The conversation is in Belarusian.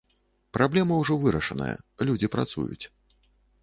Праблема ўжо вырашаная, людзі працуюць.